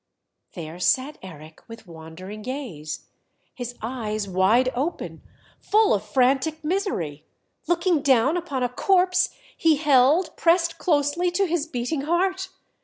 There sat Eric with wandering gaze, his eyes wide open, full of frantic misery, looking down upon a corpse he held pressed closely to his beating heart.